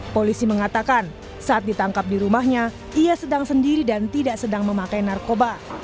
polisi mengatakan saat ditangkap di rumahnya ia sedang sendiri dan tidak sedang memakai narkoba